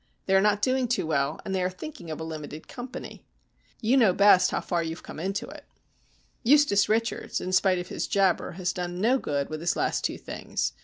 They are not doing too well, and they are thinking of a limited company. You know best how far you have come into it. Eustace Richards, in spite of his jabber, has done no good with his last two things.